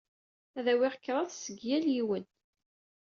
Ad awyeɣ kraḍ seg yal yiwen.